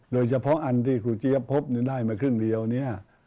โดยเฉพาะอันที่ครูเจี๊ยบพบได้มาครึ่งเดียวเนี่ย